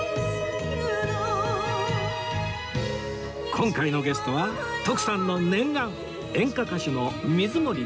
今回のゲストは徳さんの念願演歌歌手の水森かおりさん